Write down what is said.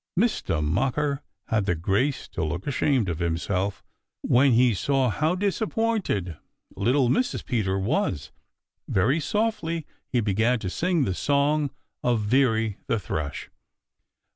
Mistah Mocker had the grace to look ashamed of himself when saw how disappointed little Mrs. Peter was. Very softly he began to sing the song of Veery the Thrush.